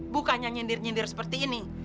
bukannya nyindir nyindir seperti ini